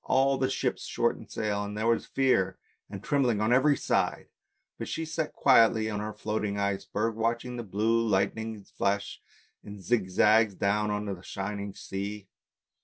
All the ships shortened sail, and there was fear and trembling on every side, but she sat quietly on her floating ice berg watching the blue lightning flash in zigzags down on to the shining sea.